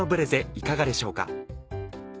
いかがでしょうか？